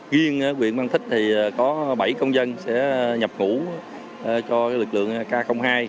duyên huyện mang thích thì có bảy công dân sẽ nhập ngũ cho lực lượng k hai